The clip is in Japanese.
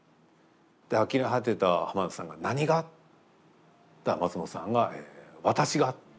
であきれ果てた浜田さんが「何が？」。そしたら松本さんが「私が」。